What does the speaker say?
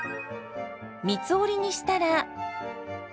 三つ折りにしたら。